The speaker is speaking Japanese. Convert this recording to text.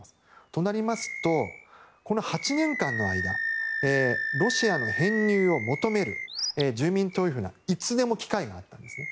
となりますと、この８年間の間ロシアへの編入を求める住民投票はいつでも機会があったんですね。